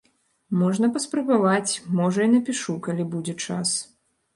Можна паспрабаваць, можа, і напішу, калі будзе час.